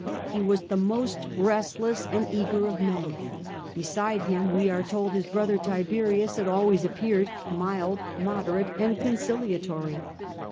He was the most restless and eager of men : beside him, we are told, his brother Tiberius had always appeared mild, moderate, and conciliatory